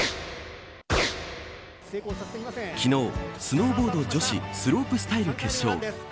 昨日、スノーボード女子スロープスタイル決勝。